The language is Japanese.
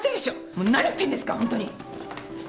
もう何言ってんですかホントに。